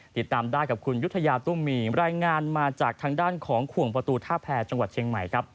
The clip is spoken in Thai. ติดตามได้กับคุณยุธยาตุ้มมีรายงานมาจากทางด้านของขวงประตูท่าแพรจังหวัดเชียงใหม่ครับ